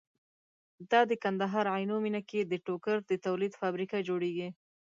دا د کندهار عينو مينه کې ده ټوکر د تولید فابريکه جوړيږي